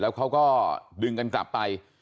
เขาก็ดึงกันกลับไป